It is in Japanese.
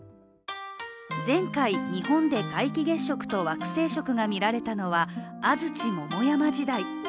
前回、日本で皆既月食と惑星食が見られたのは安土桃山時代。